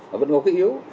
mà vẫn có cái yếu